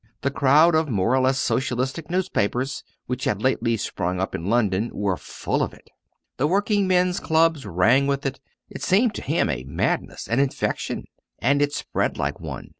The crowd of more or less socialistic newspapers which had lately sprung up in London were full of it; the working men's clubs rang with it. It seemed to him a madness an infection; and it spread like one.